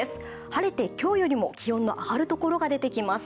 晴れて今日よりも気温の上がるところが出てきます。